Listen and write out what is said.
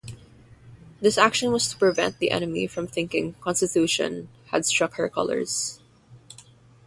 This action was to prevent the enemy from thinking "Constitution" had struck her colors.